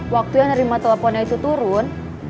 waktu yang nerima teleponnya itu turun